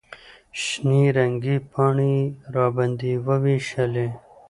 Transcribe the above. شنې رنګې پاڼې یې راباندې ووېشلې.